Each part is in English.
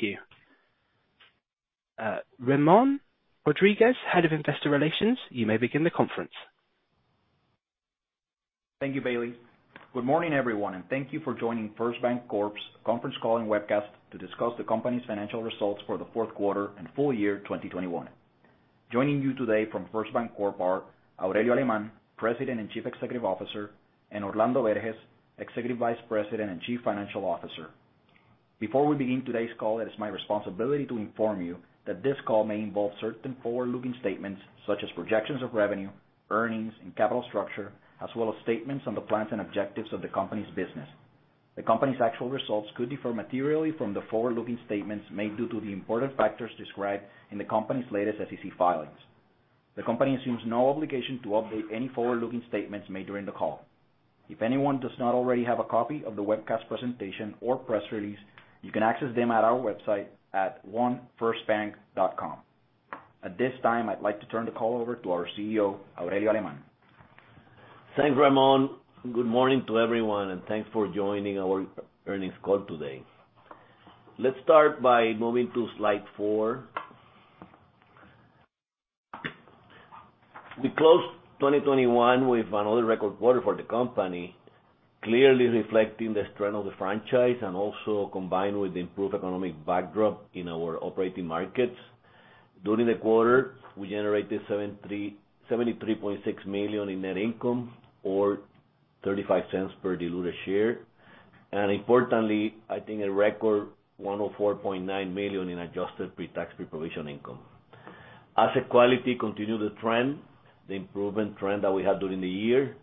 Thank you. Ramón Rodríguez, Head of Investor Relations, you may begin the conference. Thank you, Bailey. Good morning, everyone, and thank you for joining First BanCorp's conference call and webcast to discuss the company's financial results for the fourth quarter and full year 2021. Joining you today from First BanCorp are Aurelio Alemán, President and Chief Executive Officer, and Orlando Berges, Executive Vice President and Chief Financial Officer. Before we begin today's call, it is my responsibility to inform you that this call may involve certain forward-looking statements such as projections of revenue, earnings, and capital structure, as well as statements on the plans and objectives of the company's business. The company's actual results could differ materially from the forward-looking statements made due to the important factors described in the company's latest SEC filings. The company assumes no obligation to update any forward-looking statements made during the call. If anyone does not already have a copy of the webcast presentation or press release, you can access them at our website at 1firstbank.com. At this time, I'd like to turn the call over to our CEO, Aurelio Alemán. Thanks, Ramón. Good morning to everyone, and thanks for joining our earnings call today. Let's start by moving to slide four. We closed 2021 with another record quarter for the company, clearly reflecting the strength of the franchise and also combined with the improved economic backdrop in our operating markets. During the quarter, we generated $73.6 million in net income or $0.35 per diluted share. Importantly, I think a record $104.9 million in adjusted pre-tax, pre-provision income. Asset quality continued to trend the improvement trend that we had during the year.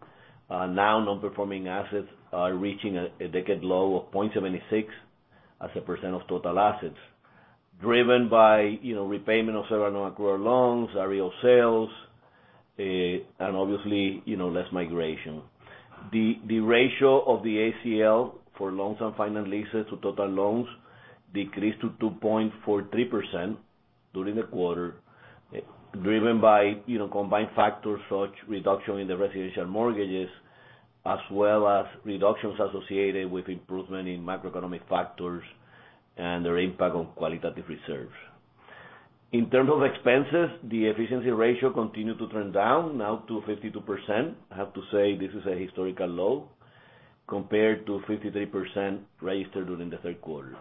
Now non-performing assets are reaching a decade low of 0.76% of total assets, driven by, you know, repayment of several nonaccrual loans, OREO sales, and obviously, you know, less migration. The ratio of the ACL for loans and finance leases to total loans decreased to 2.43% during the quarter, driven by, you know, combined factors such reduction in the residential mortgages, as well as reductions associated with improvement in macroeconomic factors and their impact on qualitative reserves. In terms of expenses, the efficiency ratio continued to trend down, now to 52%. I have to say this is a historical low compared to 53% registered during the third quarter.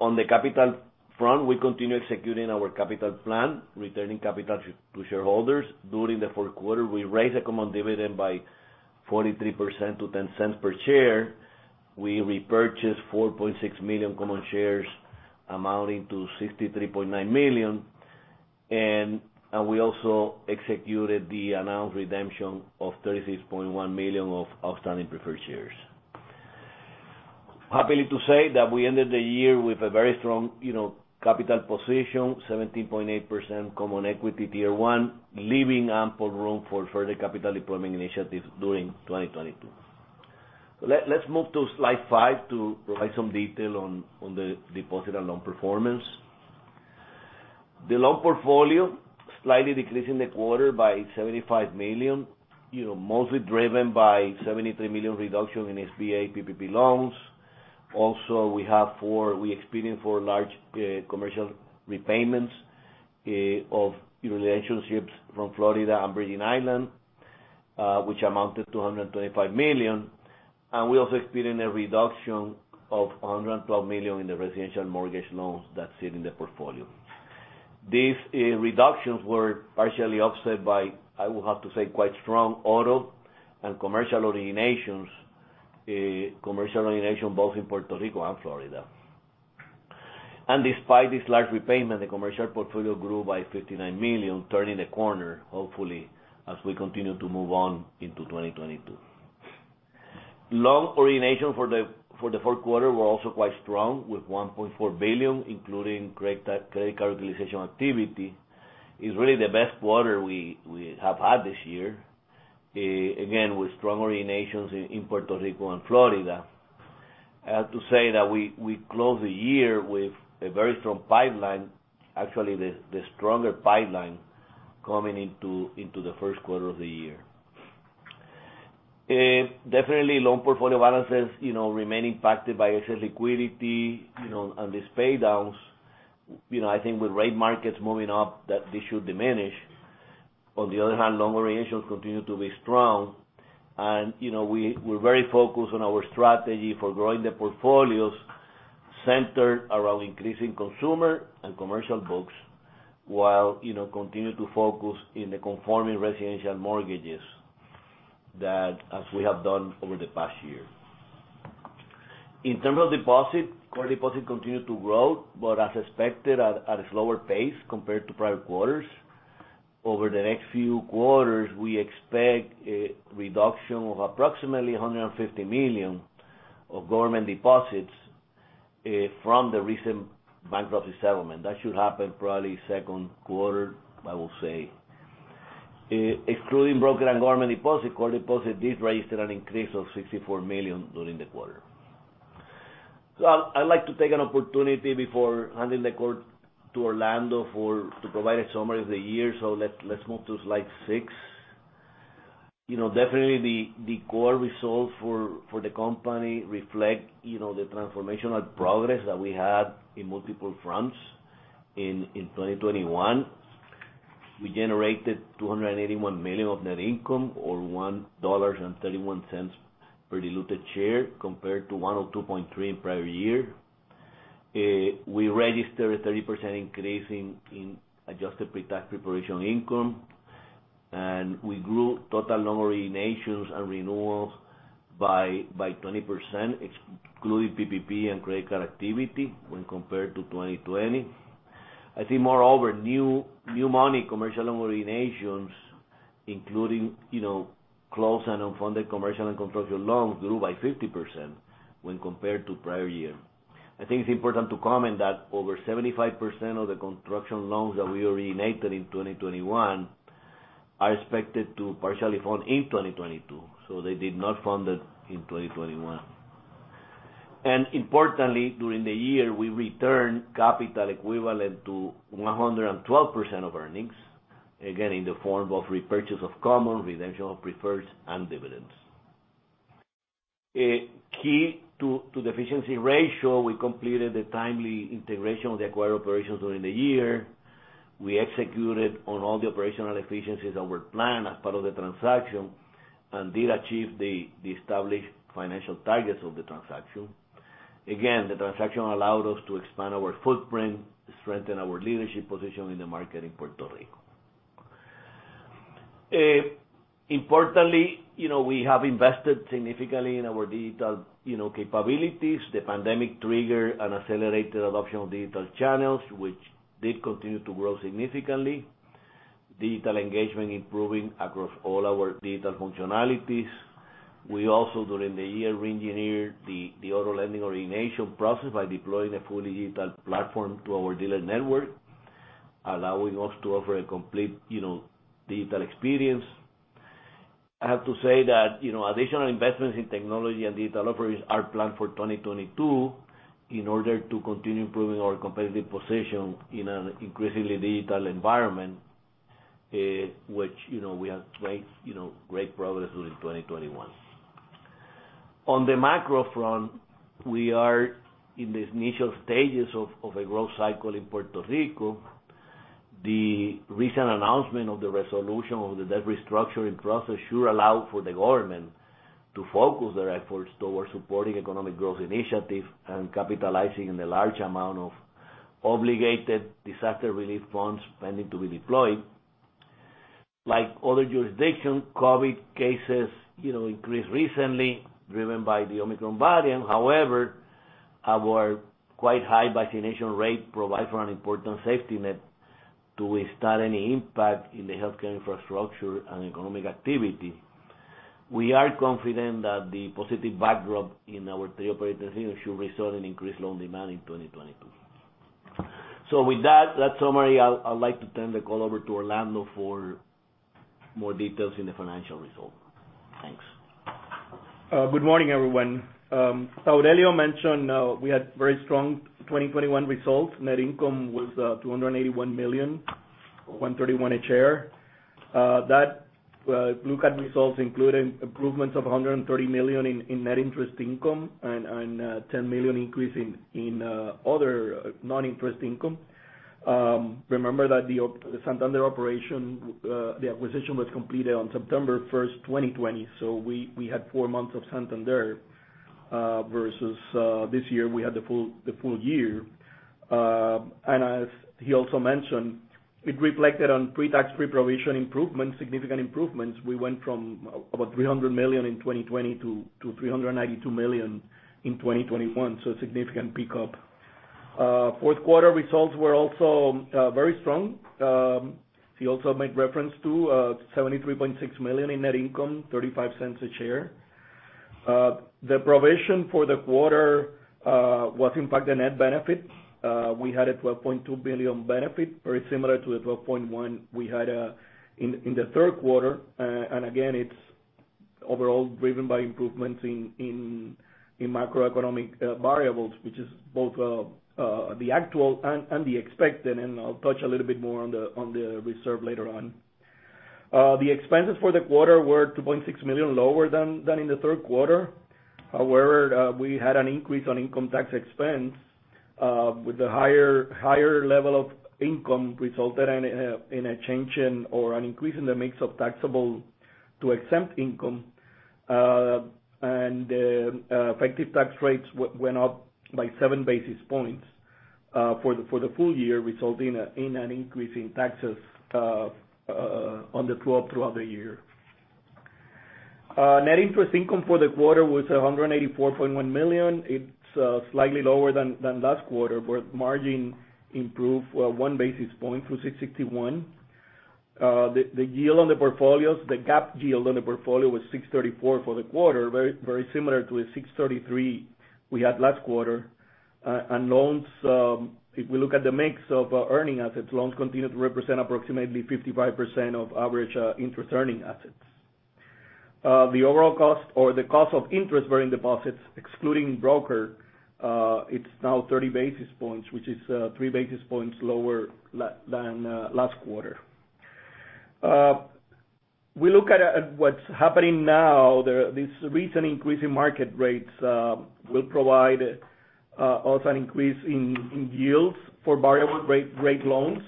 On the capital front, we continue executing our capital plan, returning capital to shareholders. During the fourth quarter, we raised the common dividend by 43% to $0.10 per share. We repurchased 4.6 million common shares, amounting to $63.9 million. We also executed the announced redemption of $36.1 million of outstanding preferred shares. Happy to say that we ended the year with a very strong, you know, capital position, 17.8% common equity tier one, leaving ample room for further capital deployment initiatives during 2022. Let's move to slide five to provide some detail on the deposit and loan performance. The loan portfolio slightly decreased in the quarter by $75 million, you know, mostly driven by $73 million reduction in SBA PPP loans. Also, we experienced four large commercial repayments of relationships from Florida and Virgin Islands, which amounted to $125 million. We also experienced a reduction of $112 million in the residential mortgage loans that sit in the portfolio. These reductions were partially offset by, I would have to say, quite strong auto and commercial originations, commercial origination, both in Puerto Rico and Florida. Despite this large repayment, the commercial portfolio grew by $59 million, turning a corner, hopefully, as we continue to move on into 2022. Loan origination for the fourth quarter were also quite strong, with $1.4 billion, including credit card utilization activity. It's really the best quarter we have had this year, again, with strong originations in Puerto Rico and Florida. I have to say that we closed the year with a very strong pipeline, actually the stronger pipeline coming into the first quarter of the year. Definitely loan portfolio balances, you know, remain impacted by excess liquidity, you know, and these pay downs. You know, I think with rate markets moving up that this should diminish. On the other hand, loan originations continue to be strong. You know, we're very focused on our strategy for growing the portfolios centered around increasing consumer and commercial books, while, you know, continue to focus in the conforming residential mortgages that as we have done over the past year. In terms of deposit, core deposits continue to grow, but as expected at a slower pace compared to prior quarters. Over the next few quarters, we expect a reduction of approximately $150 million of government deposits from the recent bankruptcy settlement. That should happen probably second quarter, I will say. Excluding broker and government deposit, core deposit did register an increase of $64 million during the quarter. I'd like to take an opportunity before handing the call to Orlando to provide a summary of the year. Let's move to slide six. You know, definitely the core results for the company reflect, you know, the transformational progress that we had in multiple fronts in 2021. We generated $281 million of net income or $1.31 per diluted share compared to $1.023 in prior year. We registered a 30% increase in adjusted pre-tax pre-provision income, and we grew total loan originations and renewals by 20%, excluding PPP and credit card activity when compared to 2020. I think moreover, new money commercial loan originations, including, you know, closed and unfunded commercial and construction loans grew by 50% when compared to prior year. I think it's important to comment that over 75% of the construction loans that we originated in 2021 are expected to partially fund in 2022, so they did not fund it in 2021. Importantly, during the year, we returned capital equivalent to 112% of earnings, again, in the form of repurchase of common, redemption of preferreds, and dividends. A key to the efficiency ratio, we completed the timely integration of the acquired operations during the year. We executed on all the operational efficiencies that were planned as part of the transaction and did achieve the established financial targets of the transaction. Again, the transaction allowed us to expand our footprint, strengthen our leadership position in the market in Puerto Rico. Importantly, you know, we have invested significantly in our digital, you know, capabilities. The pandemic triggered an accelerated adoption of digital channels, which did continue to grow significantly. Digital engagement improving across all our digital functionalities. We also, during the year, reengineered the auto lending origination process by deploying a fully digital platform to our dealer network, allowing us to offer a complete, you know, digital experience. I have to say that, you know, additional investments in technology and digital offerings are planned for 2022 in order to continue improving our competitive position in an increasingly digital environment, which, you know, we have great, you know, great progress during 2021. On the macro front, we are in these initial stages of a growth cycle in Puerto Rico. The recent announcement of the resolution of the debt restructuring process should allow for the government to focus their efforts towards supporting economic growth initiatives and capitalizing on the large amount of obligated disaster relief funds pending to be deployed. Like other jurisdictions, COVID cases, you know, increased recently, driven by the Omicron variant. However, our quite high vaccination rate provide for an important safety net to withstand any impact in the healthcare infrastructure and economic activity. We are confident that the positive backdrop in our three operating divisions should result in increased loan demand in 2022. With that summary, I'd like to turn the call over to Orlando Berges for more details in the financial results. Thanks. Good morning, everyone. Aurelio Alemán mentioned we had very strong 2021 results. Net income was $281 million, $1.31 a share. That if you look at results including improvements of $130 million in net interest income and $10 million increase in other non-interest income. Remember that the Santander operation, the acquisition was completed on September 1st, 2020, so we had four months of Santander versus this year we had the full year. As he also mentioned, it reflected on pre-tax pre-provision improvements, significant improvements. We went from about $300 million in 2020 to $392 million in 2021, so a significant pickup. Fourth quarter results were also very strong. He also made reference to $73.6 million in net income, 35¢ a share. The provision for the quarter was in fact a net benefit. We had a $12.2 billion benefit, very similar to the $12.1 we had in the third quarter. Again, it's overall driven by improvements in macroeconomic variables, which is both the actual and the expected, and I'll touch a little bit more on the reserve later on. The expenses for the quarter were $2.6 million lower than in the third quarter. However, we had an increase on income tax expense, with the higher level of income resulted in a change in or an increase in the mix of taxable to exempt income. Effective tax rates went up by 7 basis points for the full year, resulting in an increase in taxes of $12 million throughout the year. Net interest income for the quarter was $184.1 million. It's slightly lower than last quarter, but margin improved 1 basis point to 661. The yield on the portfolios, the gap yield on the portfolio was 634 for the quarter, very similar to the 633 we had last quarter. Loans, if we look at the mix of earning assets, loans continue to represent approximately 55% of average interest earning assets. The overall cost of interest-bearing deposits, excluding broker, it's now 30 basis points, which is 3 basis points lower than last quarter. We look at what's happening now. This recent increase in market rates will provide us an increase in yields for variable rate loans.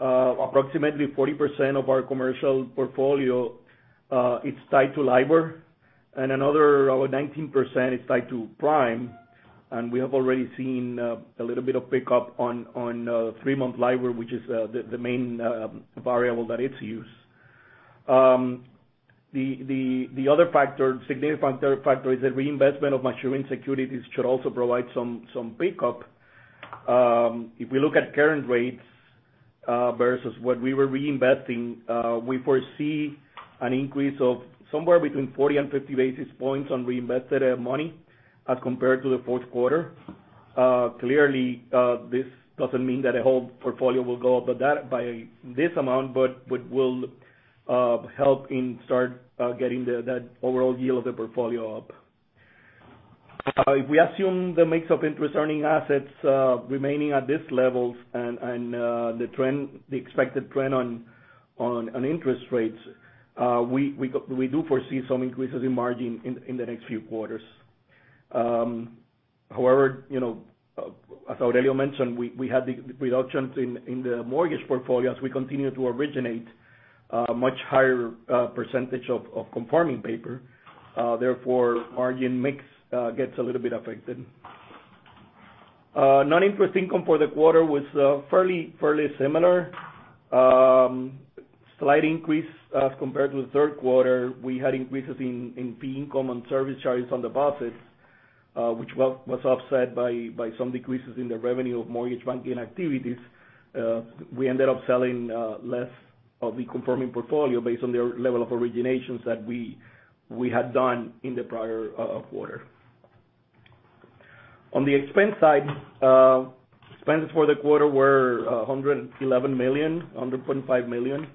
Approximately 40% of our commercial portfolio, it's tied to LIBOR, and another 19% is tied to prime, and we have already seen a little bit of pickup on three-month LIBOR, which is the main variable that is used. The other significant factor is the reinvestment of maturing securities should also provide some pickup. If we look at current rates versus what we were reinvesting, we foresee an increase of somewhere between 40 and 50 basis points on reinvested money as compared to the fourth quarter. Clearly, this doesn't mean that the whole portfolio will go up by this amount, but what will help in getting that overall yield of the portfolio up. If we assume the mix of interest-earning assets remaining at these levels and the expected trend on interest rates, we do foresee some increases in margin in the next few quarters. However, you know, as Aurelio mentioned, we had the reductions in the mortgage portfolio as we continue to originate a much higher percentage of conforming paper. Therefore, margin mix gets a little bit affected. Non-interest income for the quarter was fairly similar. Slight increase compared to the third quarter. We had increases in fee income and service charges on deposits, which was offset by some decreases in the revenue of mortgage banking activities. We ended up selling less of the conforming portfolio based on their level of originations that we had done in the prior quarter. On the expense side, expenses for the quarter were $111 million, $100.5 million,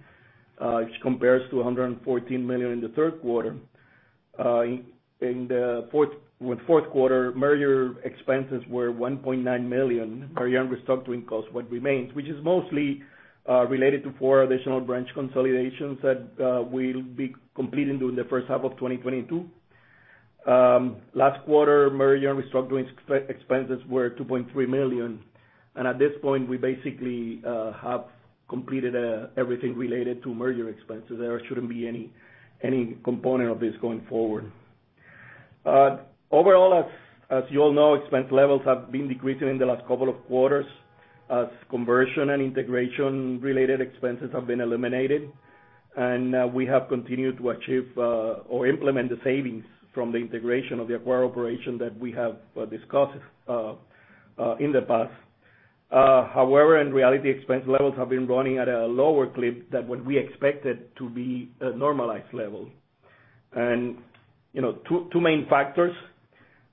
which compares to $114 million in the third quarter. In the fourth quarter, merger expenses were $1.9 million. Our year-end restructuring cost what remains, which is mostly related to four additional branch consolidations that we'll be completing during the first half of 2022. Last quarter, merger and restructuring expenses were $2.3 million. At this point, we basically have completed everything related to merger expenses. There shouldn't be any component of this going forward. Overall, as you all know, expense levels have been decreasing in the last couple of quarters as conversion and integration-related expenses have been eliminated. We have continued to achieve or implement the savings from the integration of the acquired operation that we have discussed in the past. However, in reality, expense levels have been running at a lower clip than what we expected to be a normalized level. You know, two main factors.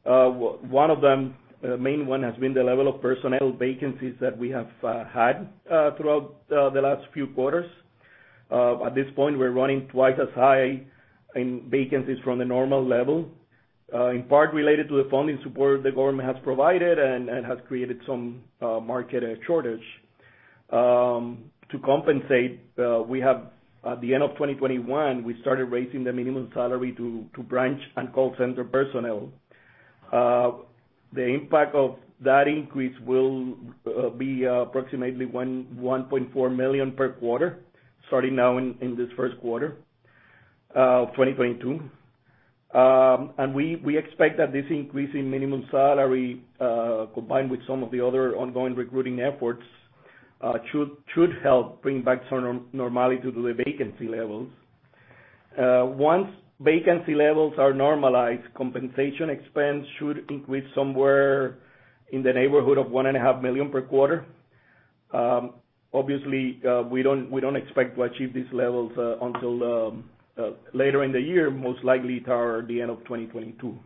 One of them, a main one has been the level of personnel vacancies that we have had throughout the last few quarters. At this point, we're running twice as high in vacancies from the normal level, in part related to the funding support the government has provided and has created some market shortage. To compensate, we have, at the end of 2021, we started raising the minimum salary to branch and call center personnel. The impact of that increase will be approximately $1.4 million per quarter, starting now in this first quarter of 2022. We expect that this increase in minimum salary, combined with some of the other ongoing recruiting efforts, should help bring back some normality to the vacancy levels. Once vacancy levels are normalized, compensation expense should increase somewhere in the neighborhood of $1.5 million per quarter. Obviously, we don't expect to achieve these levels until later in the year, most likely toward the end of 2022.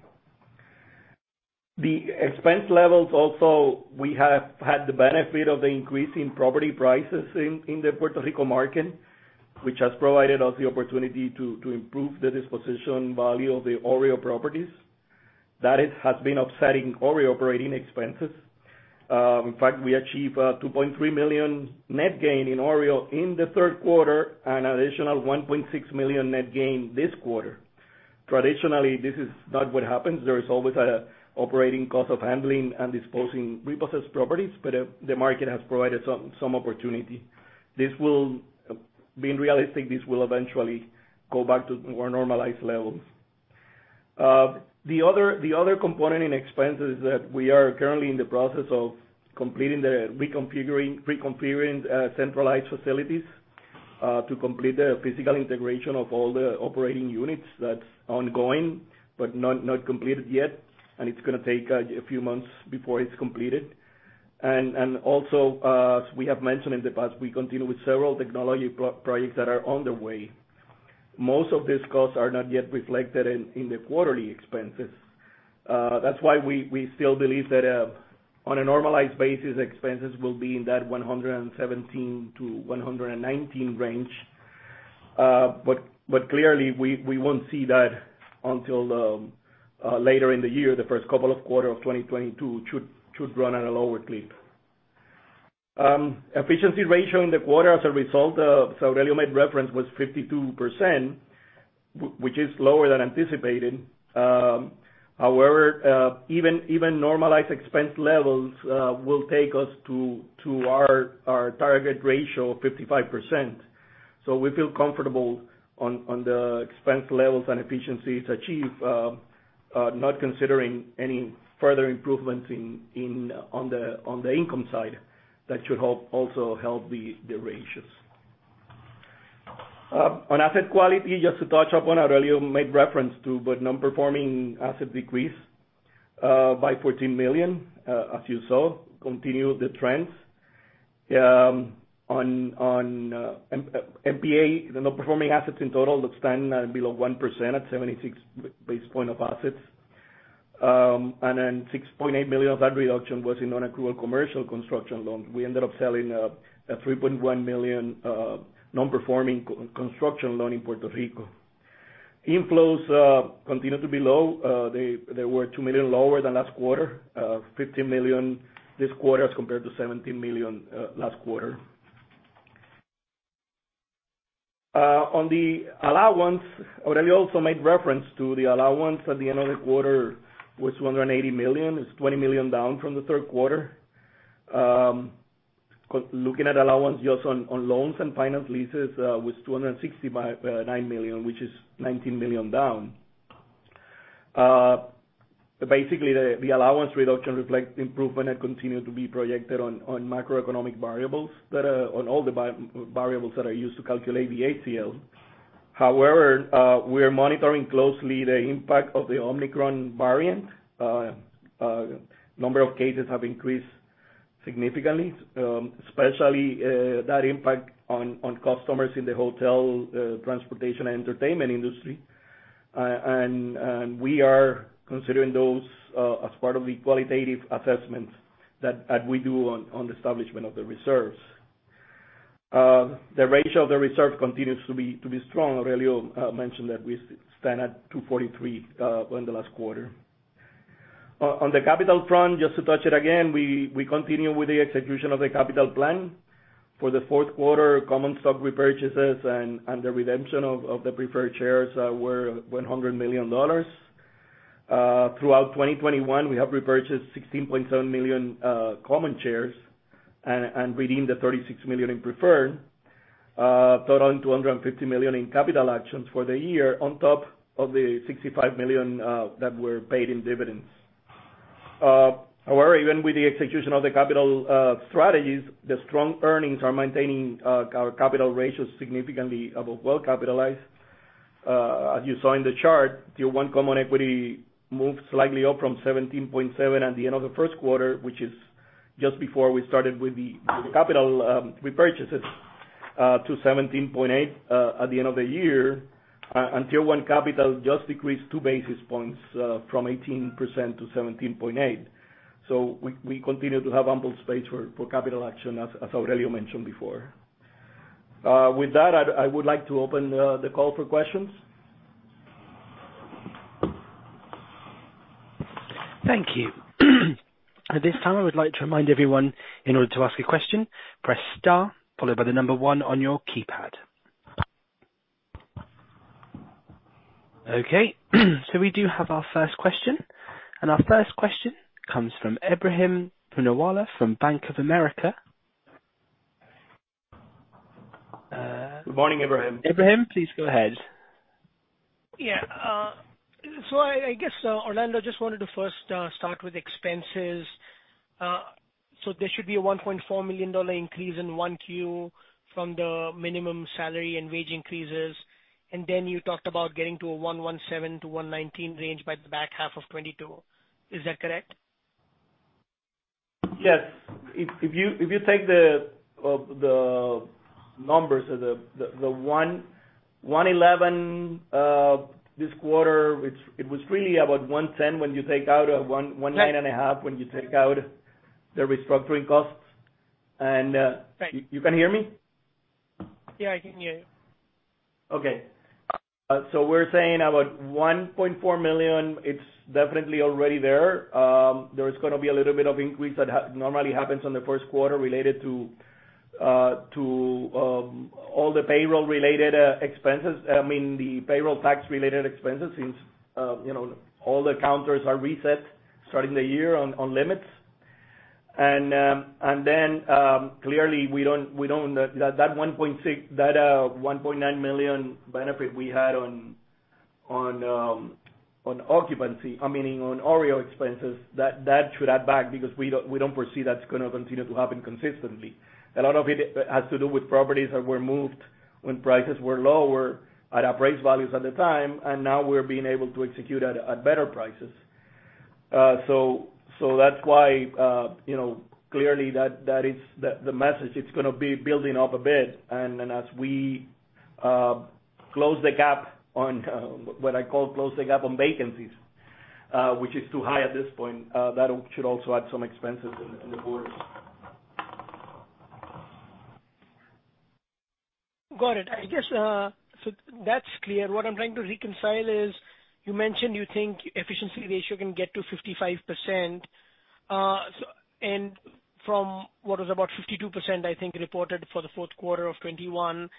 The expense levels also, we have had the benefit of the increase in property prices in the Puerto Rico market, which has provided us the opportunity to improve the disposition value of the OREO properties. That has been offsetting OREO operating expenses. In fact, we achieved $2.3 million net gain in OREO in the third quarter and an additional $1.6 million net gain this quarter. Traditionally, this is not what happens. There is always an operating cost of handling and disposing repossessed properties, but the market has provided some opportunity. This will eventually go back to more normalized levels. The other component in expenses that we are currently in the process of completing the reconfiguring centralized facilities to complete the physical integration of all the operating units that's ongoing, but not completed yet. It's gonna take a few months before it's completed. Also, as we have mentioned in the past, we continue with several technology projects that are underway. Most of these costs are not yet reflected in the quarterly expenses. That's why we still believe that on a normalized basis, expenses will be in that $117-$119 range. Clearly we won't see that until later in the year. The first couple of quarters of 2022 should run at a lower clip. Efficiency ratio in the quarter, as a result of so Aurelio made reference, was 52%, which is lower than anticipated. However, even normalized expense levels will take us to our target ratio of 55%. We feel comfortable on the expense levels and efficiencies achieved, not considering any further improvements in on the income side that should also help the ratios. On asset quality, just to touch upon, Aurelio made reference to, but non-performing assets decreased by $14 million, as you saw, continue the trends. On NPA, the nonperforming assets in total stand at below 1% at 76 basis points of assets. And then $6.8 million of that reduction was in nonaccrual commercial construction loans. We ended up selling a $3.1 million non-performing construction loan in Puerto Rico. Inflows continue to be low. They were $2 million lower than last quarter, $15 million this quarter as compared to $17 million last quarter. On the allowance, Aurelio also made reference to the allowance at the end of the quarter was $280 million. It's $20 million down from the third quarter. Looking at allowance just on loans and finance leases was $269 million, which is $19 million down. Basically, the allowance reduction reflects improvement that continue to be projected on macroeconomic variables that on all the variables that are used to calculate the ACL. However, we are monitoring closely the impact of the Omicron variant. Number of cases have increased significantly, especially the impact on customers in the hotel, transportation and entertainment industry. We are considering those as part of the qualitative assessments that we do on the establishment of the reserves. The ratio of the reserve continues to be strong. Aurelio mentioned that we stand at 2.43 in the last quarter. On the capital front, just to touch it again, we continue with the execution of the capital plan. For the fourth quarter, common stock repurchases and the redemption of the preferred shares were $100 million. Throughout 2021, we have repurchased 16.7 million common shares and redeemed the $36 million in preferred, totaling $250 million in capital actions for the year on top of the $65 million that were paid in dividends. However, even with the execution of the capital strategies, the strong earnings are maintaining our capital ratios significantly above well-capitalized. As you saw in the chart, Tier 1 common equity moved slightly up from 17.7 at the end of the first quarter, which is just before we started with the capital repurchases to 17.8 at the end of the year. Tier 1 capital just decreased two basis points from 18% to 17.8%. We continue to have ample space for capital action, as Aurelio mentioned before. With that, I would like to open the call for questions. Thank you. At this time, I would like to remind everyone, in order to ask a question, press star followed by the number one on your keypad. Okay. We do have our first question, and our first question comes from Ebrahim Poonawala from Bank of America. Good morning, Ebrahim. Ebrahim, please go ahead. Yeah. I guess, Orlando, just wanted to first start with expenses. There should be a $1.4 million increase in 1Q from the minimum salary and wage increases. Then you talked about getting to a 117-119 range by the back half of 2022. Is that correct? Yes. If you take the numbers of the 111 this quarter, which it was really about 110 when you take out one. Right. 19.5 when you take out the restructuring costs. Right. You can hear me? Yeah, I can hear you. Okay. We're saying about $1.4 million, it's definitely already there. There is gonna be a little bit of increase that normally happens on the first quarter related to all the payroll-related expenses. I mean, the payroll tax-related expenses, since you know, all the counters are reset starting the year on limits. Then, clearly, we don't. That $1.6, that $1.9 million benefit we had on occupancy, I mean, on OREO expenses, that should add back because we don't foresee that's gonna continue to happen consistently. A lot of it has to do with properties that were moved when prices were lower at appraised values at the time, and now we're being able to execute at better prices. That's why, you know, clearly that is the message. It's gonna be building up a bit. Then as we close the gap on what I call close the gap on vacancies, which is too high at this point, that should also add some expenses in the quarters. Got it. I guess that's clear. What I'm trying to reconcile is you mentioned you think efficiency ratio can get to 55%. From what is about 52%, I think, reported for the fourth quarter of 2021.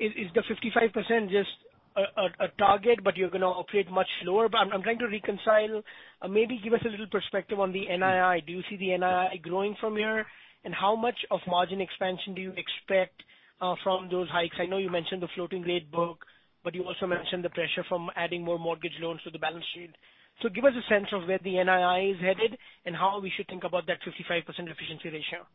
Is the 55% just a target, but you're gonna operate much lower? I'm trying to reconcile. Maybe give us a little perspective on the NII. Do you see the NII growing from here? How much margin expansion do you expect from those hikes? I know you mentioned the floating rate book, but you also mentioned the pressure from adding more mortgage loans to the balance sheet. Give us a sense of where the NII is headed and how we should think about that 55% efficiency ratio.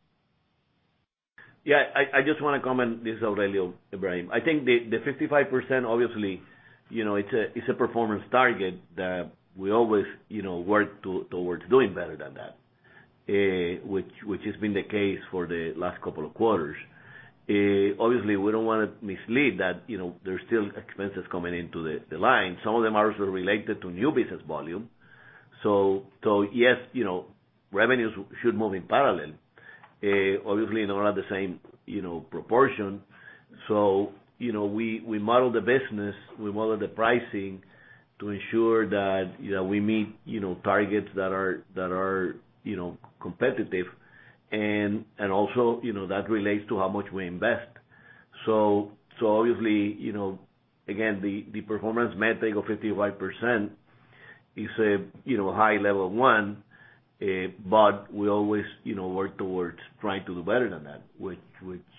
Yeah, I just wanna comment. This is Aurelio, Ibrahim. I think the 55% obviously, you know, it's a performance target that we always, you know, work towards doing better than that, which has been the case for the last couple of quarters. Obviously, we don't wanna mislead that, you know, there's still expenses coming into the line. Some of them are also related to new business volume. Yes, you know, revenues should move in parallel. Obviously not at the same, you know, proportion. You know, we model the business, we model the pricing to ensure that, you know, we meet, you know, targets that are, you know, competitive and also, you know, that relates to how much we invest. Obviously, you know, again, the performance metric of 55% is a you know a high level one, but we always, you know, work towards trying to do better than that which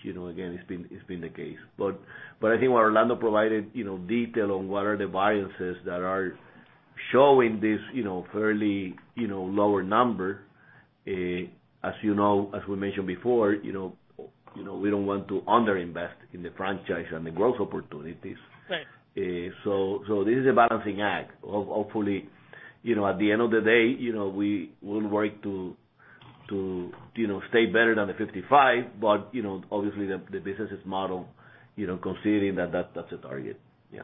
you know, again, it's been the case. I think what Orlando provided, you know, detail on what are the variances that are showing this, you know, fairly lower number. As you know, as we mentioned before, you know, we don't want to under-invest in the franchise and the growth opportunities. Right. This is a balancing act. Hopefully, you know, at the end of the day, you know, we will work to you know, stay better than the 55. You know, obviously the business is modeled, you know, considering that that's its target. Yeah.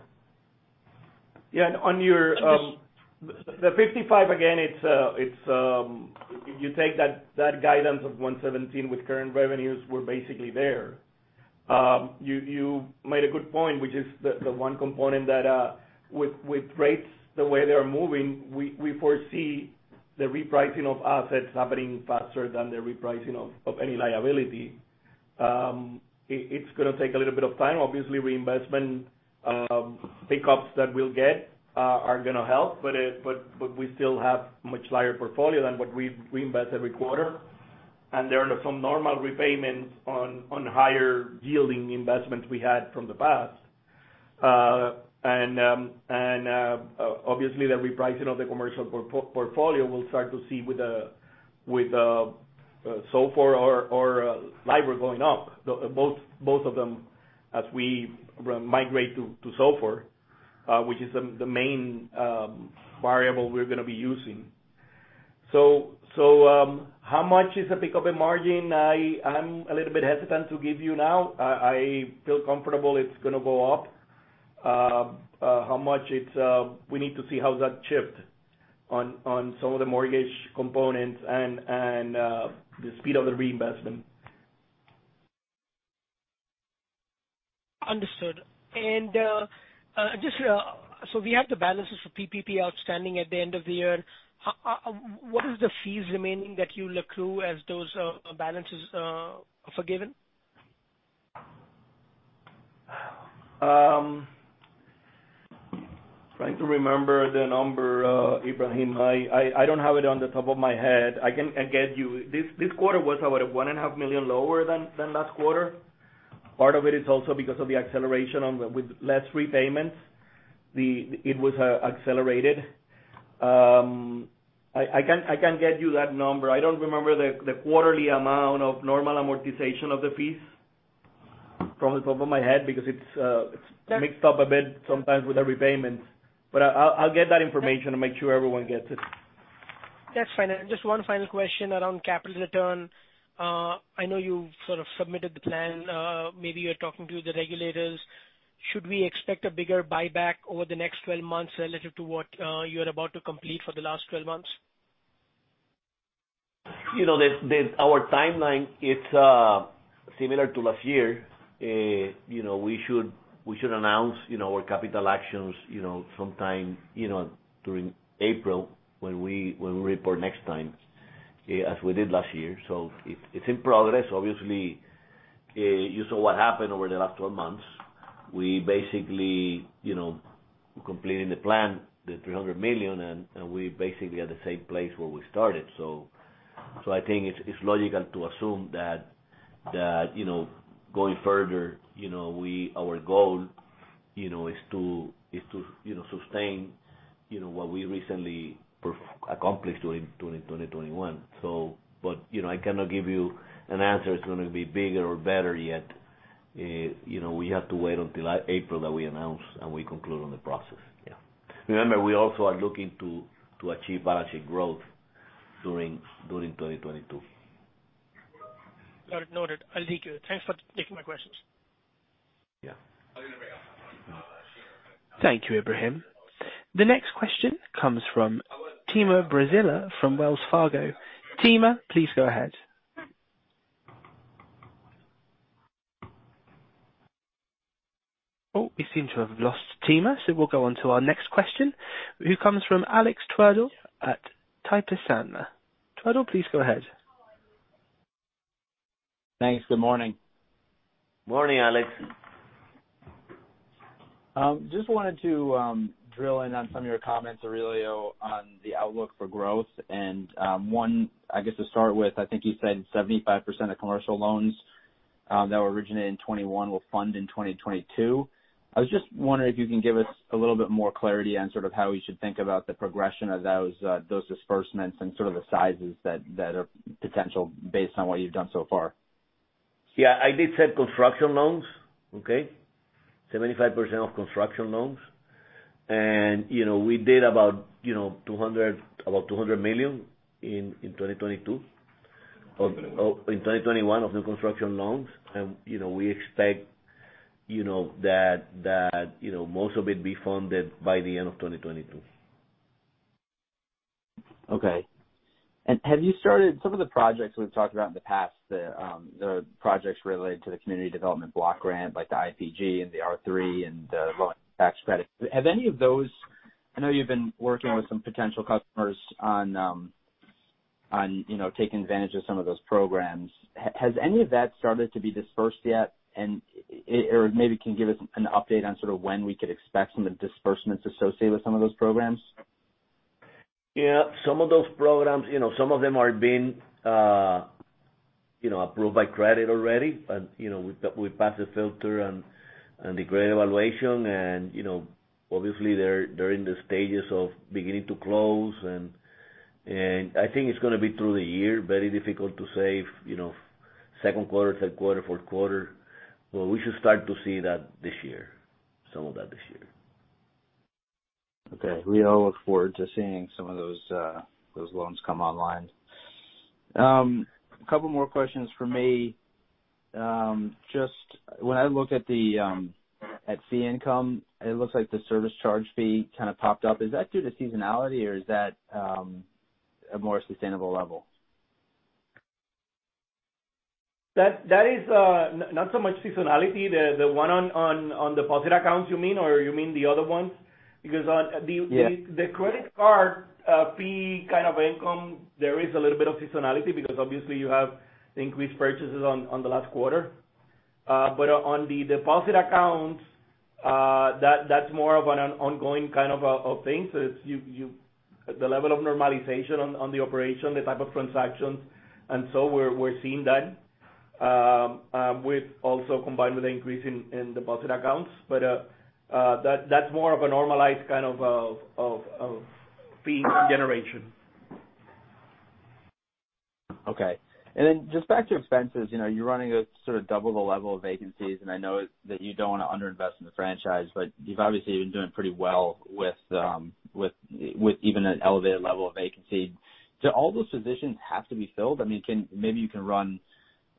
Yeah. On your. Just. The 55, again, it's you take that guidance of 117 with current revenues, we're basically there. You made a good point, which is the one component that with rates the way they are moving, we foresee the repricing of assets happening faster than the repricing of any liability. It's gonna take a little bit of time. Obviously, reinvestment pick-ups that we'll get are gonna help, but we still have much larger portfolio than what we invest every quarter. There are some normal repayments on higher yielding investments we had from the past. Obviously, the repricing of the commercial portfolio, we'll start to see with the SOFR or LIBOR going up, both of them as we migrate to SOFR, which is the main variable we're gonna be using. How much is the pick-up in margin? I'm a little bit hesitant to give you now. I feel comfortable it's gonna go up. We need to see how that shifts on some of the mortgage components and the speed of the reinvestment. Understood. We have the balances for PPP outstanding at the end of the year. What is the fees remaining that you'll accrue as those balances are forgiven? Trying to remember the number, Ebrahim. I don't have it off the top of my head. I can get you. This quarter was about $1.5 million lower than last quarter. Part of it is also because of the acceleration with less repayments. It was accelerated. I can get you that number. I don't remember the quarterly amount of normal amortization of the fees off the top of my head because it's. That's. It's mixed up a bit sometimes with the repayments. I'll get that information and make sure everyone gets it. That's fine. Just one final question around capital return. I know you've sort of submitted the plan. Maybe you're talking to the regulators. Should we expect a bigger buyback over the next 12 months relative to what you are about to complete for the last 12 months? You know, our timeline, it's similar to last year. You know, we should announce, you know, our capital actions, you know, sometime, you know, during April when we report next time, as we did last year. It's in progress. Obviously, you saw what happened over the last 12 months. We basically completed the plan, the $300 million, and we basically are at the same place where we started. I think it's logical to assume that, you know, going further, you know, our goal, you know, is to, you know, sustain, you know, what we recently accomplished during 2021. You know, I cannot give you an answer. It's gonna be bigger or better yet. You know, we have to wait until April that we announce and we conclude on the process. Yeah. Remember, we also are looking to achieve balance sheet growth during 2022. Noted. I'll take it. Thanks for taking my questions. Yeah. Aurelio. Thank you, Ibrahim. The next question comes from Timur Braziler from Wells Fargo. Timur, please go ahead. Oh, we seem to have lost Timur, so we'll go on to our next question, who comes from Alex Twerdahl at Piper Sandler. Twerdahl, please go ahead. Thanks. Good morning. Morning, Alex. Just wanted to drill in on some of your comments, Aurelio, on the outlook for growth and one, I guess to start with, I think you said 75% of commercial loans that were originated in 2021 will fund in 2022. I was just wondering if you can give us a little bit more clarity on sort of how we should think about the progression of those disbursements and sort of the sizes that are potential based on what you've done so far. Yeah, I did say construction loans. Okay. 75% of construction loans. You know, we did about $200 million in 2021 of new construction loans. You know, we expect that most of it be funded by the end of 2022. Okay. Have you started some of the projects we've talked about in the past, the projects related to the Community Development Block Grant, like the IPG and the R3 and the LIHTC. Have any of those I know you've been working with some potential customers on, you know, taking advantage of some of those programs. Has any of that started to be dispersed yet? Or maybe you can give us an update on sort of when we could expect some of the disbursements associated with some of those programs. Yeah. Some of those programs, you know, some of them are being, you know, approved by credit already. You know, we passed the filter and the credit evaluation and, you know, obviously they're in the stages of beginning to close. I think it's gonna be through the year, very difficult to say if, you know, second quarter, third quarter, fourth quarter. We should start to see that this year, some of that this year. Okay. We all look forward to seeing some of those loans come online. A couple more questions from me. Just when I look at fee income, it looks like the service charge fee kind of popped up. Is that due to seasonality or is that a more sustainable level? That is not so much seasonality. The one on the deposit accounts you mean, or you mean the other ones? Because on. Yeah. The credit card fee kind of income, there is a little bit of seasonality because obviously you have increased purchases in the last quarter. On the deposit accounts, that's more of an ongoing kind of a thing. It's the level of normalization in the operation, the type of transactions, and so we're seeing that, also combined with the increase in deposit accounts. That's more of a normalized kind of fee generation. Okay. Just back to expenses. You know, you're running a sort of double the level of vacancies, and I know that you don't want to under-invest in the franchise, but you've obviously been doing pretty well with even an elevated level of vacancy. Do all those positions have to be filled? I mean, maybe you can run,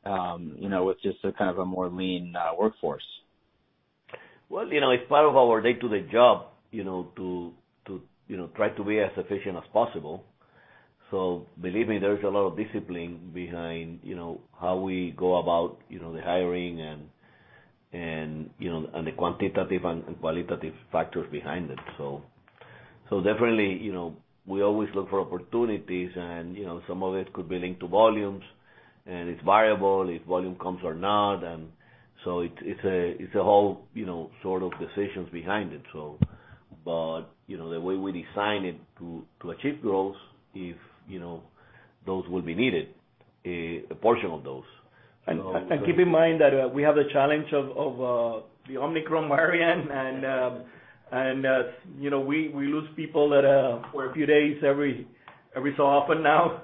you know, with just a kind of a more lean workforce. Well, you know, it's part of our day-to-day job, you know, to you know, try to be as efficient as possible. Believe me, there is a lot of discipline behind, you know, how we go about, you know, the hiring and you know, and the quantitative and qualitative factors behind it. Definitely, you know, we always look for opportunities and, you know, some of it could be linked to volumes, and it's variable if volume comes or not. It's a whole, you know, sort of decisions behind it. You know, the way we design it to achieve goals, if you know, those will be needed, a portion of those. Keep in mind that we have the challenge of the Omicron variant and, you know, we lose people out for a few days every so often now,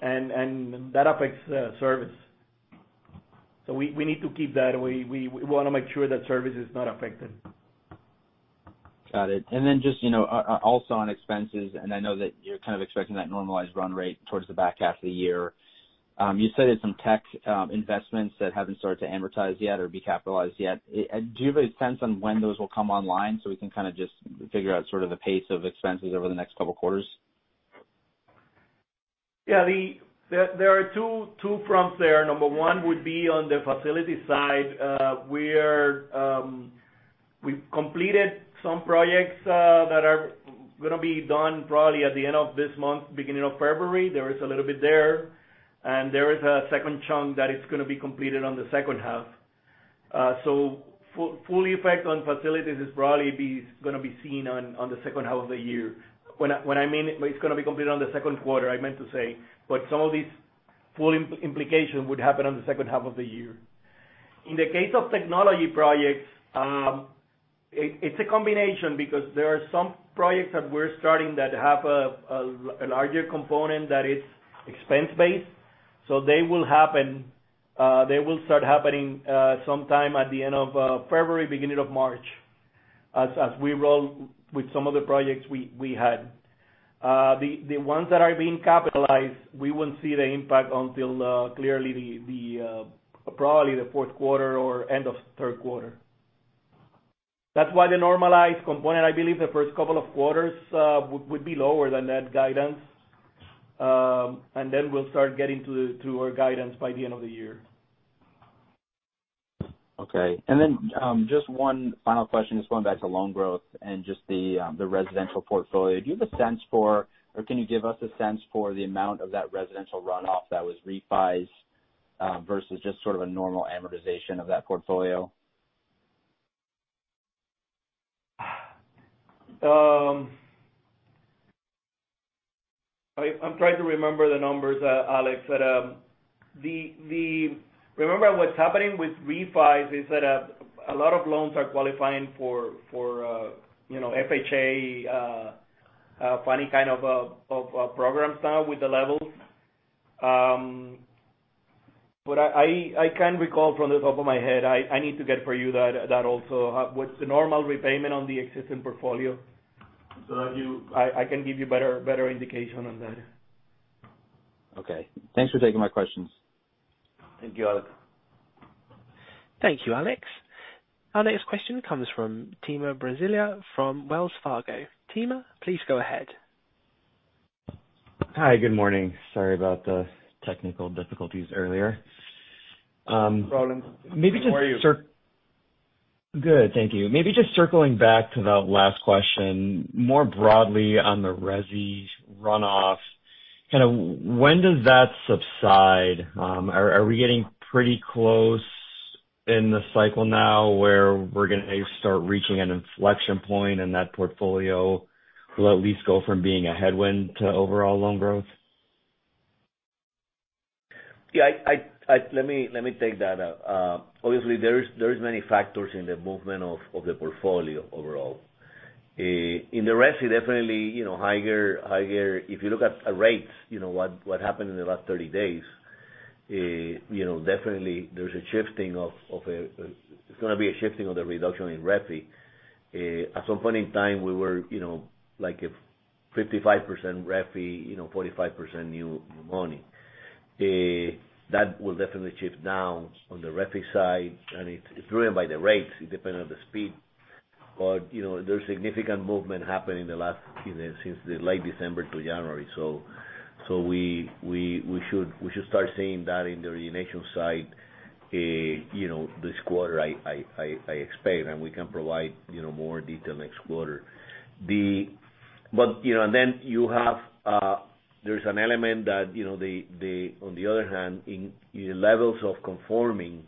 and that affects the service. We need to keep that. We wanna make sure that service is not affected. Got it. Then just, you know, also on expenses, and I know that you're kind of expecting that normalized run rate towards the back half of the year. You said there's some tech investments that haven't started to amortize yet or be capitalized yet. Do you have a sense on when those will come online so we can kind of just figure out sort of the pace of expenses over the next couple quarters? Yeah. There are two fronts there. Number one would be on the facility side. We've completed some projects that are gonna be done probably at the end of this month, beginning of February. There is a little bit there. There is a second chunk that is gonna be completed on the second half. So full effect on facilities is probably gonna be seen on the second half of the year. When I mean it's gonna be completed on the second quarter, I meant to say, but some of these full implications would happen on the second half of the year. In the case of technology projects, it's a combination because there are some projects that we're starting that have a larger component that is expense-based. They will start happening sometime at the end of February, beginning of March as we roll with some of the projects we had. The ones that are being capitalized, we wouldn't see the impact until clearly, probably the fourth quarter or end of third quarter. That's why the normalized component, I believe the first couple of quarters would be lower than that guidance. Then we'll start getting to our guidance by the end of the year. Okay. Just one final question, just going back to loan growth and just the residential portfolio. Do you have a sense for or can you give us a sense for the amount of that residential runoff that was refis, versus just sort of a normal amortization of that portfolio? I'm trying to remember the numbers, Alex. Remember what's happening with refis is that a lot of loans are qualifying for you know, FHA funding kind of programs now with the levels. I can't recall off the top of my head. I need to get for you that also. What's the normal repayment on the existing portfolio so that I can give you better indication on that. Okay. Thanks for taking my questions. Thank you, Alex. Thank you, Alex. Our next question comes from Timur Braziler from Wells Fargo. Timur, please go ahead. Hi, good morning. Sorry about the technical difficulties earlier. No problem. How are you? Good. Thank you. Maybe just circling back to the last question, more broadly on the resi runoff. Kinda when does that subside? Are we getting pretty close in the cycle now where we're gonna start reaching an inflection point in that portfolio will at least go from being a headwind to overall loan growth? Let me take that. Obviously there is many factors in the movement of the portfolio overall. In the resi, definitely, you know, higher. If you look at rates, you know, what happened in the last 30 days, you know, definitely there's a shifting of. It's gonna be a shifting of the reduction in refi. At some point in time, we were, you know, like a 55% refi, you know, 45% new money. That will definitely shift down on the refi side, and it's driven by the rates. It depends on the speed. You know, there's significant movement happened in the last, you know, since the late December to January. We should start seeing that in the origination side, you know, this quarter I expect, and we can provide, you know, more detail next quarter. You know, and then you have, there's an element that, you know, on the other hand, in levels of conforming,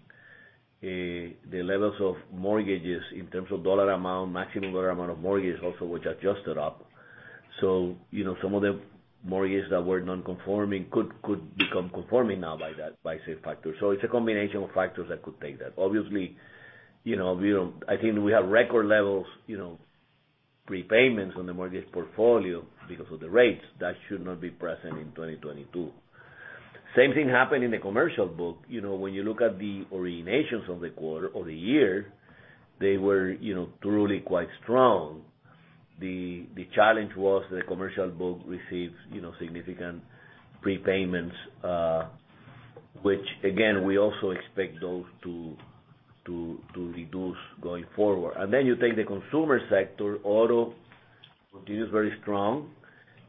the levels of mortgages in terms of dollar amount, maximum dollar amount of mortgage also, which adjusted up. You know, some of the mortgages that were non-conforming could become conforming now by that, by safe factor. It's a combination of factors that could take that. Obviously, you know, I think we have record levels, you know, prepayments on the mortgage portfolio because of the rates. That should not be present in 2022. Same thing happened in the commercial book. You know, when you look at the originations of the quarter or the year, they were, you know, truly quite strong. The challenge was the commercial book receives, you know, significant prepayments, which again, we also expect those to reduce going forward. Then you take the consumer sector, auto continues very strong.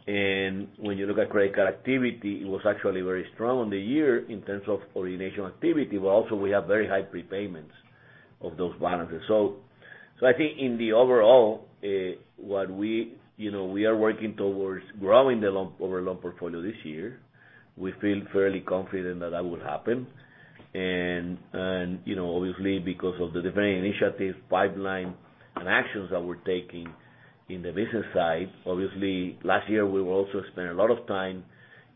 When you look at credit card activity, it was actually very strong on the year in terms of origination activity, but also we have very high prepayments of those balances. I think in the overall, what we, you know, we are working towards growing our loan portfolio this year. We feel fairly confident that that will happen. You know, obviously because of the different initiatives, pipeline, and actions that we're taking in the business side. Obviously, last year, we will also spend a lot of time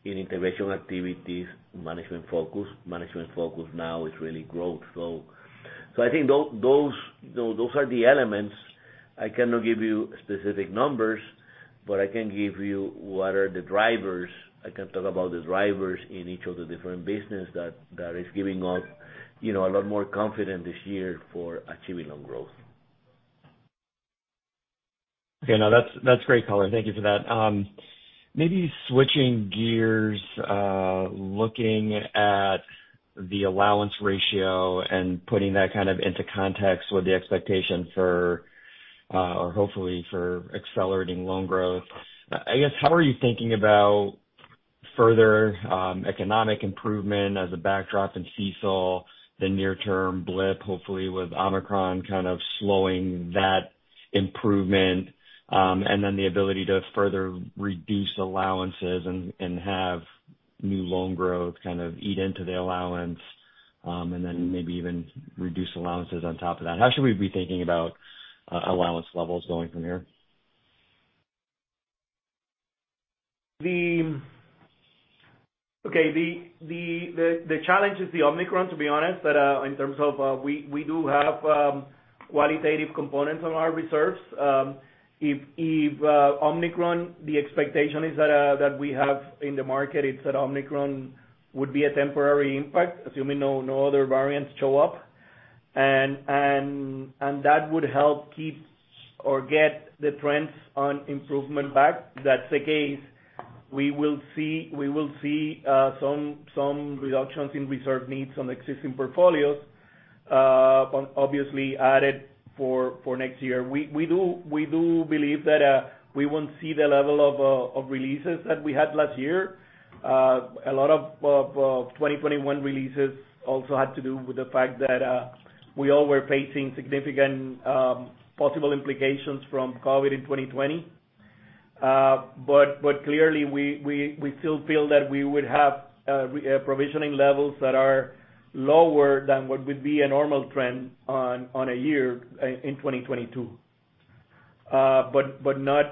in integration activities, management focus. Management focus now is really growth. I think those are the elements. I cannot give you specific numbers, but I can give you what are the drivers. I can talk about the drivers in each of the different business that is giving us, you know, a lot more confidence this year for achieving loan growth. Okay. No, that's great color. Thank you for that. Maybe switching gears, looking at the allowance ratio and putting that kind of into context with the expectation for, or hopefully for accelerating loan growth. I guess, how are you thinking about further economic improvement as a backdrop in CECL, the near-term blip, hopefully with Omicron kind of slowing that improvement, and then the ability to further reduce allowances and have new loan growth kind of eat into the allowance, and then maybe even reduce allowances on top of that. How should we be thinking about allowance levels going from here? Okay. The challenge is the Omicron, to be honest, that in terms of we do have qualitative components on our reserves. If Omicron, the expectation is that that we have in the market, it's that Omicron would be a temporary impact, assuming no other variants show up. That would help keep or get the trends on improvement back. That's the case. We will see some reductions in reserve needs on existing portfolios, on obviously added for next year. We do believe that we won't see the level of releases that we had last year. A lot of 2021 releases also had to do with the fact that we all were facing significant possible implications from COVID in 2020. Clearly we still feel that we would have provisioning levels that are lower than what would be a normal trend in a year in 2022.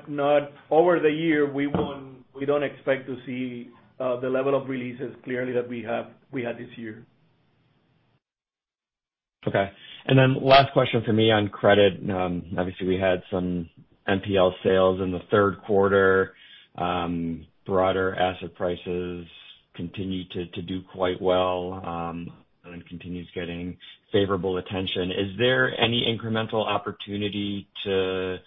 Not over the year, we don't expect to see the level of releases that we had this year. Okay. Then last question for me on credit. Obviously, we had some NPL sales in the third quarter. Broader asset prices continue to do quite well, and continues getting favorable attention. Is there any incremental opportunity to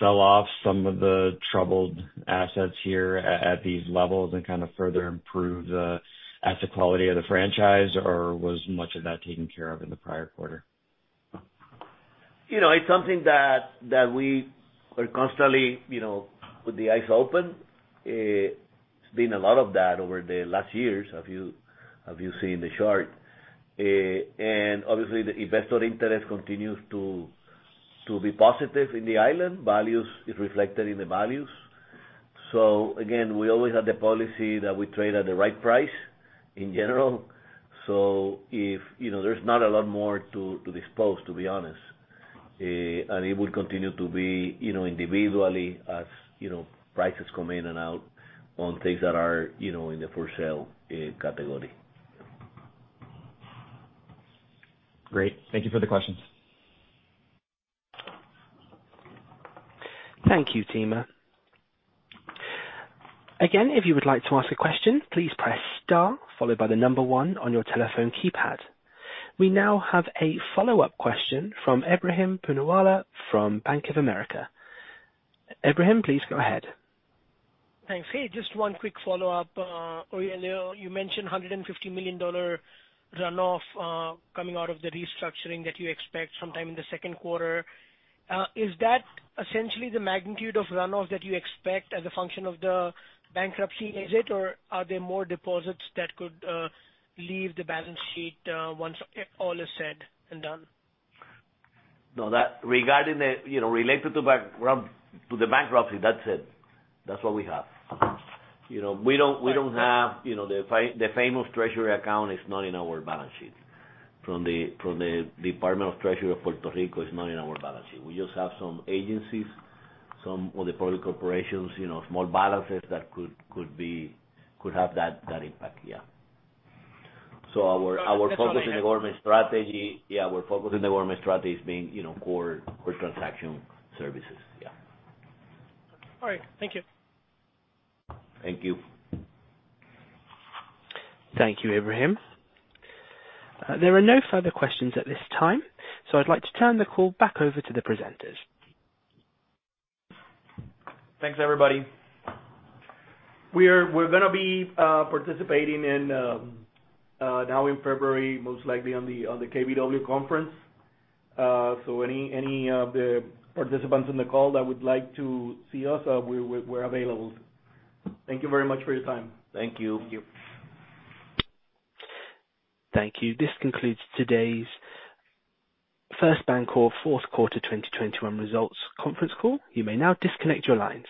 sell off some of the troubled assets here at these levels and kind of further improve the asset quality of the franchise? Or was much of that taken care of in the prior quarter? You know, it's something that we are constantly, you know, with the eyes open. It's been a lot of that over the last years, as you see in the chart. Obviously the investor interest continues to be positive in the island. Valuations are reflected in the valuations. Again, we always have the policy that we trade at the right price in general. If you know, there's not a lot more to dispose, to be honest. It will continue to be, you know, individually as, you know, prices come in and out on things that are, you know, in the for-sale category. Great. Thank you for the questions. Thank you, Timur. Again, if you would like to ask a question, please press star followed by the number one on your telephone keypad. We now have a follow-up question from Ebrahim Poonawala from Bank of America. Ebrahim, please go ahead. Thanks. Hey, just one quick follow-up. Aurelio, you mentioned $150 million runoff coming out of the restructuring that you expect sometime in the second quarter. Is that essentially the magnitude of runoff that you expect as a function of the bankruptcy, is it? Or are there more deposits that could leave the balance sheet once all is said and done? No. That regarding the, you know, related to the bankruptcy, that's it. That's what we have. You know, we don't have, you know, the famous treasury account is not in our balance sheet. From the Puerto Rico Department of Treasury is not in our balance sheet. We just have some agencies, some of the public corporations, you know, small balances that could have that impact. Yeah. So our focus in the government strategy. That's all I had. Yeah, our focus in the government strategy is being, you know, core transaction services. Yeah. All right. Thank you. Thank you. Thank you, Ebrahim. There are no further questions at this time, so I'd like to turn the call back over to the presenters. Thanks, everybody. We're gonna be participating, now in February, most likely on the KBW conference. Any of the participants in the call that would like to see us, we're available. Thank you very much for your time. Thank you. Thank you. Thank you. This concludes today's First BanCorp fourth quarter 2021 results conference call. You may now disconnect your lines.